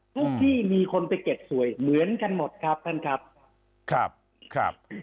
ที่มีคนไปเก็บสวยเหมือนกันหมดครับท่านครับครับ